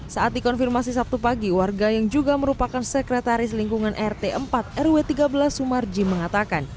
saat dikonfirmasi sabtu pagi warga yang juga merupakan sekretaris lingkungan rt empat rw tiga belas sumarji mengatakan